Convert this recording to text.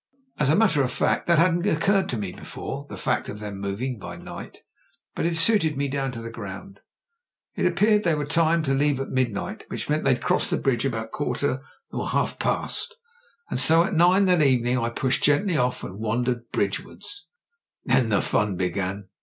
As a matter of fact, that hadn't occturred to me before — ^the fact of them moving by night, but it suited me down to the ground. It appeared they were timed to leave at midnight, which meant they'd cross the bridge about a quarter or half past And so at nine that evening I pushed gently off and wandered bridgewards. 'Then the fun began.